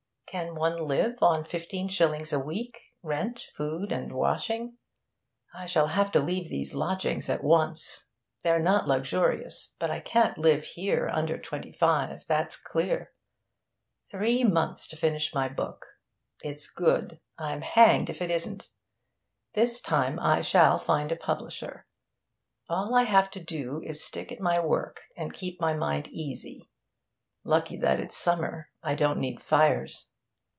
Can one live on fifteen shillings a week rent, food, washing?... I shall have to leave these lodgings at once. They're not luxurious, but I can't live here under twenty five, that's clear.... Three months to finish my book. It's good; I'm hanged if it isn't! This time I shall find a publisher. All I have to do is to stick at my work and keep my mind easy.... Lucky that it's summer; I don't need fires.